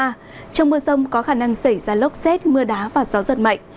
trong mưa rông có khả năng xảy ra lốc xét mưa đá và gió giật mạnh